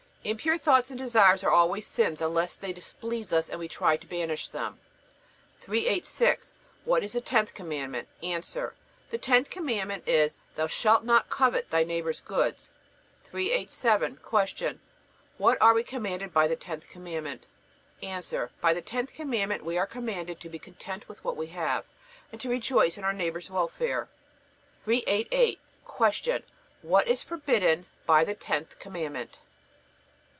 Impure thoughts and desires are always sins, unless they displease us and we try to banish them. 386. Q. What is the tenth Commandment? A. The tenth Commandment is: Thou shalt not covet thy neighbor's goods. 387. Q. What are we commanded by the tenth Commandment? A. By the tenth Commandment we are commanded to be content with what we have, and to rejoice in our neighbor's welfare. 388. Q. What is forbidden by the tenth Commandment?